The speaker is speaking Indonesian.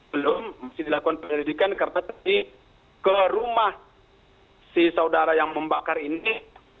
belum masih dilakukan penyelidikan karena tadi ke rumah si saudara yang membakar ini